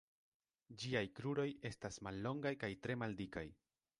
Ĝiaj kruroj estas mallongaj kaj tre maldikaj.